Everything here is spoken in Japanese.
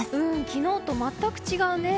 昨日と全く違うね。